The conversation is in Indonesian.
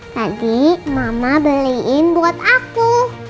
tadi mama beliin buat aku